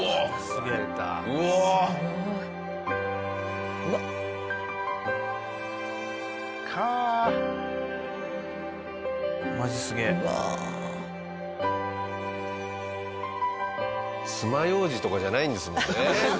つまようじとかじゃないんですもんね。